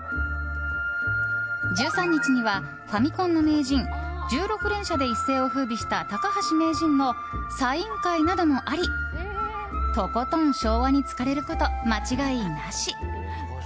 １３日には、ファミコンの名人１６連射で一世を風靡した高橋名人のサイン会などもありとことん昭和に浸かれること間違いなし。